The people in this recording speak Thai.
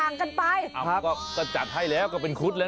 อันนั้นจดหมายส่วนตัว